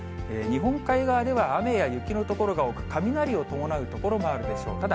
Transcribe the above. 日本海側では雨や雪の所が多く、雷を伴う所もあるでしょう。